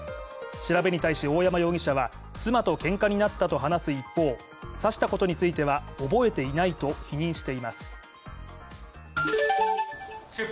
調べに対し、大山容疑者は妻とけんかになったと話す一方、刺したことについては覚えていないと否認しています。